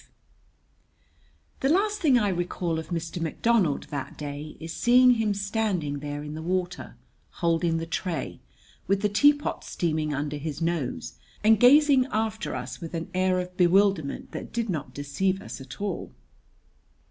V The last thing I recall of Mr. McDonald that day is seeing him standing there in the water, holding the tray, with the teapot steaming under his nose, and gazing after us with an air of bewilderment that did not deceive us at all.